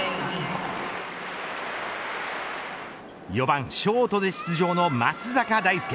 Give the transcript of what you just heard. ４番ショートで出場の松坂大輔。